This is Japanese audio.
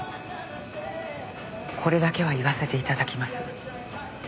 これだけは言わせて頂きます。